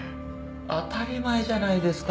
当たり前じゃないですか。